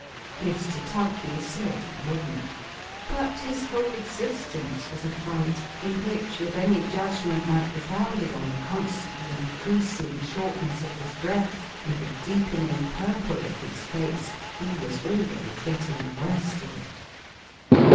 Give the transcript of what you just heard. Mr. Tugby said he wouldn't; but, his whole existence was a fight, in which, if any judgment might be founded on the constantly increasing shortness of his breath, and the deepening purple of his face, he was always getting the worst of it.